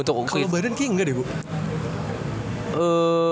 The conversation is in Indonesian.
kalau badan kayaknya enggak deh gue